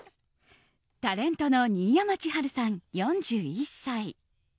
タレントの新山千春さん４１歳。